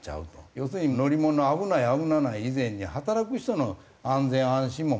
要するに乗り物危ない危なない以前に働く人の安全安心も全くないっていう。